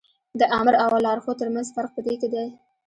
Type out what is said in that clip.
د آمر او لارښود تر منځ فرق په دې کې دی.